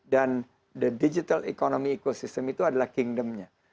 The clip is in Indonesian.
dan the digital economy ecosystem itu adalah kingdomnya